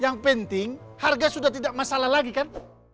yang penting harga sudah tidak masalah lagi kan